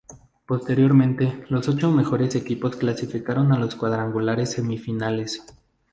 Posteriormente, los ocho mejores equipos clasificaron a los cuadrangulares semifinales.